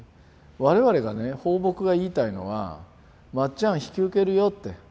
我々がね抱樸が言いたいのは「まっちゃん引き受けるよ」って。